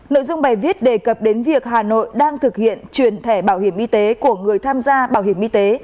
lợi dụng bài viết đề cập đến việc hà nội đang thực hiện chuyển thẻ bảo hiểm y tế của người tham gia bảo hiểm y tế